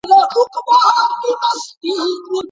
د نجونو لیلیه بې دلیله نه تړل کیږي.